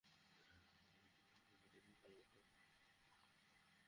তুমি তো দয়ালুদের মধ্যে সর্বশ্রেষ্ঠ দয়ালু।